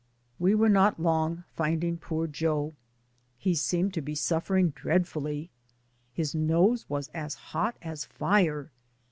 We were not long finding poor Joe. He seemed to be suffering dreadfully. His nose was as hot as fire.